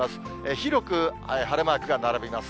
広く晴れマークが並びます。